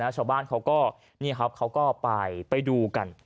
ชาวบ้านเขาก็ไปดูกัน